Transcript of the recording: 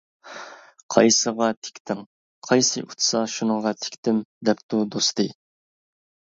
-قايسىغا تىكتىڭ؟ -قايسى ئۇتسا شۇنىڭغا تىكتىم، -دەپتۇ دوستى.